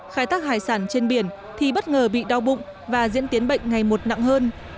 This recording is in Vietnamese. khai thác hải sản trên biển thì bất ngờ bị đau bụng và diễn tiến bệnh ngày một nặng hơn